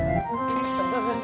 dari mana mau beli